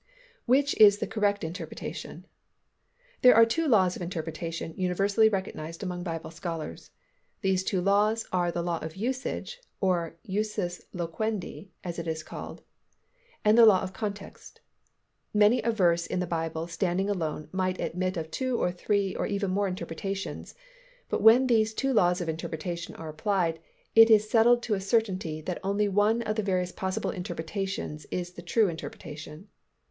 Which is the correct interpretation? There are two laws of interpretation universally recognized among Bible scholars. These two laws are the law of usage (or "usus loquendi" as it is called) and the law of context. Many a verse in the Bible standing alone might admit of two or three or even more interpretations, but when these two laws of interpretation are applied, it is settled to a certainty that only one of the various possible interpretations is the true interpretation.